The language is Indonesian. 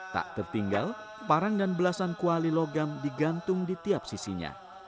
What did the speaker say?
tak tertinggal parang dan belasan kuali logam digantung di tiap sisinya